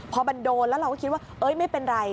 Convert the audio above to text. พอมันโดนแล้วเราก็คิดว่าไม่เป็นไร